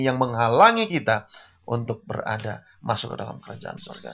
yang menghalangi kita untuk berada masuk ke dalam kerajaan surga